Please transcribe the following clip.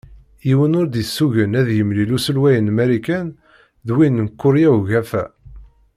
Yiwen ur d- yessugen ad yemlil uselway n Marikan d win n Kurya Ugafa.